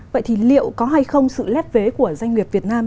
vậy thì liệu có hay không sự lép vế của doanh nghiệp việt nam